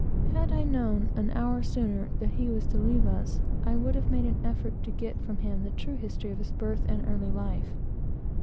Had I known, an hour sooner, that he was to leave us, I would have made an effort to get from him the true history of his early life.